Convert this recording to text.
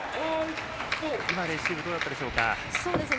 今、レシーブどうだったんでしょうか。